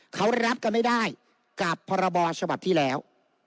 เขารับกันไม่ได้กับพรบฉบับที่แล้ว